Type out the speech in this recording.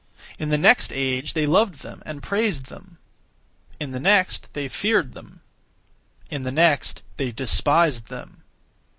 In the next age they loved them and praised them. In the next they feared them; in the next they despised them.